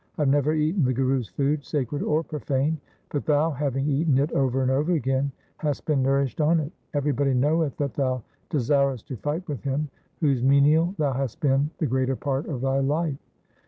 I have never eaten the Guru's food, sacred or profane ; but thou, having eaten it over and over again, hast been nourished on it. Everybody knoweth that thou desirest to fight with him whose menial thou hast been the greater part of thy life.'